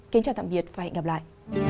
kính chào tạm biệt và hẹn gặp lại